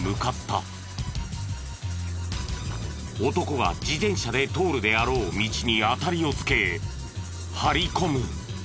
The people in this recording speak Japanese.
男が自転車で通るであろう道に当たりをつけ張り込む。